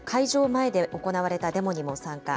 前で行われたデモにも参加。